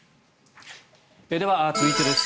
では、続いてです。